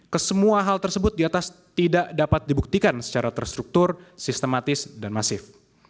kesemua hal tersebut di atas tidak dapat dibuktikan secara terstruktur sistematis dan masif